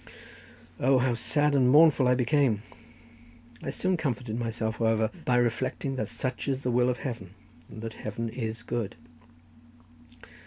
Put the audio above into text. O, how sad and mournful I became! I soon comforted myself, however, by reflecting that such is the will of Heaven, and that Heaven is good.